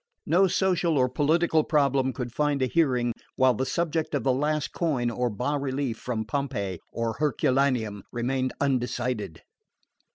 No social or political problem could find a hearing while the subject of the last coin or bas relief from Pompeii or Herculanaeum remained undecided.